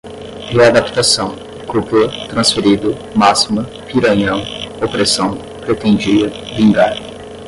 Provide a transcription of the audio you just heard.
readaptação, cúpula, transferido, máxima, piranhão, opressão, pretendia, vingar